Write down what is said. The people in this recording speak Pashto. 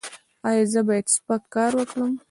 ایا زه باید سپک کار وکړم؟